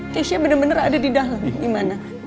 keisha bener bener ada di dalam gimana